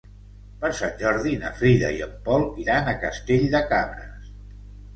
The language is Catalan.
Per Sant Jordi na Frida i en Pol iran a Castell de Cabres.